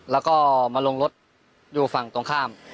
แล้วก็มาลงรถอยู่ฝั่งตรงข้าม